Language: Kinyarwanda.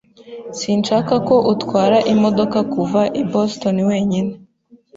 Sinshaka ko utwara imodoka kuva i Boston wenyine.